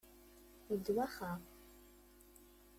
Ndewwaxeɣ.